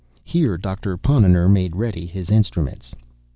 Here Doctor Ponnonner made ready his instruments.